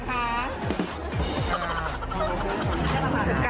การทึ่งเทนอ่ะนะคะ